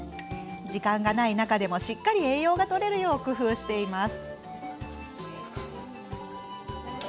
時間がない中でもしっかり栄養がとれるよう工夫しています。